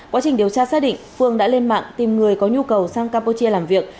quá trình điều tra xác định phương đã lên mạng tìm người có nhu cầu sang campuchia làm việc